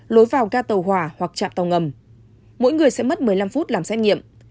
lối vào ca tàu hỏa hoặc trạm tàu ngầm mỗi người sẽ mất một mươi năm phút làm xét nghiệm